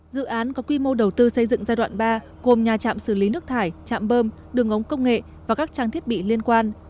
dự án có quy mô đầu tư xây dựng giai đoạn ba gồm nhà trạm xử lý nước thải trạm bơm đường ống công nghệ và các trang thiết bị liên quan